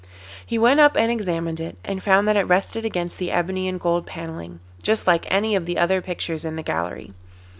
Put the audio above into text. He went up and examined it, and found that it rested against the ebony and gold panelling, just like any of the other pictures in the gallery.